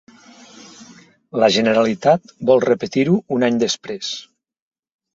La Generalitat vol repetir-ho un any després.